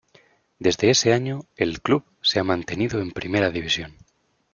Desde ese año el Club se ha mantenido en la Primera División.